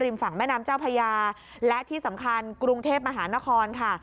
ฝั่งแม่น้ำเจ้าพญาและที่สำคัญกรุงเทพมหานครค่ะ